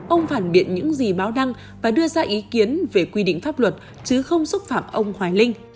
ông phản biện những gì báo đăng và đưa ra ý kiến về quy định pháp luật chứ không xúc phạm ông hoài linh